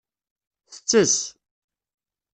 Tettess.